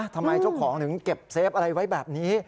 ทำไมเจ้าของถึงเก็บเซฟอะไรไว้แบบนี้